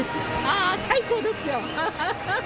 あ最高ですよ！